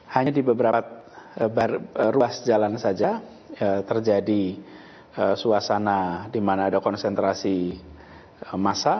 hanya di beberapa ruas jalan saja terjadi suasana di mana ada konsentrasi massa